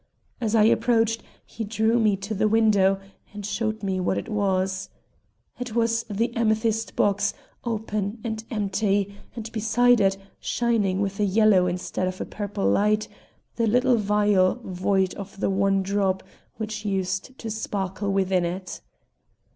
As I approached, he drew me to the window and showed me what it was. It was the amethyst box, open and empty, and beside it, shining with a yellow instead of a purple light, the little vial void of the one drop which used to sparkle within it.